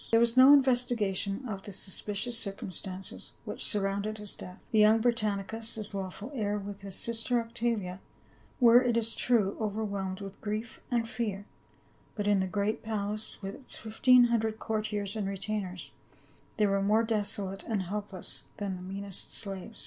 There was no investigation of the suspicious circumstances which surrounded his death. The young Brittanicus, his lawful heir, with his sister Oc tavia, were, it is true, overwhelmed with grief and fear, but in the great palace with its fifteen hundred courtiers and retainers they were more desolate and helpless than the meanest slaves.